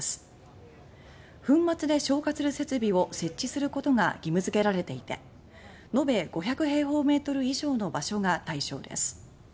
粉末で消火する設備を設置することが義務付けられていて延べ５００平方メートル以上の場所が対象です。